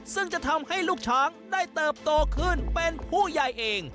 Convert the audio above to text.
ซึ่งจะทำให้ลูกช้างได้เติบโตขึ้นเป็นผู้ใหญ่เอง